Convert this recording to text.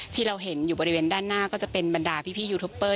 ที่เราเห็นอยู่บริเวณด้านหน้าก็จะเป็นบรรดาพี่ยูทูปเปอร์